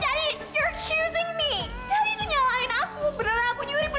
aduh berapa jam mereka ngelakuin aku